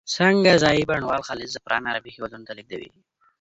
څنګه ځايي بڼوال خالص زعفران عربي هیوادونو ته لیږدوي؟